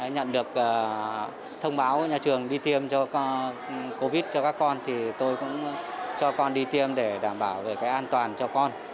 nhận được thông báo nhà trường đi tiêm cho covid cho các con thì tôi cũng cho con đi tiêm để đảm bảo về cái an toàn cho con